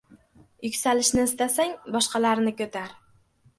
Yuksalishni istasang – boshqalarni ko‘tar!